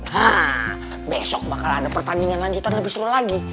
hah besok bakal ada pertandingan lanjutan lebih seru lagi